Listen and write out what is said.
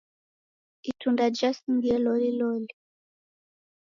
Itunda jasingie loliloli.